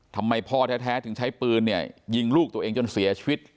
ทำไมพ่อแท้ถึงใช้ปืนเนี่ยยิงลูกตัวเองจนเสียชีวิต